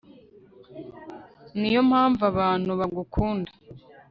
niyo mpamvu abantu bagukunda